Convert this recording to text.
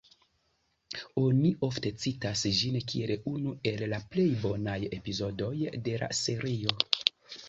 Oni ofte citas ĝin kiel unu el la plej bonaj epizodoj de la serio.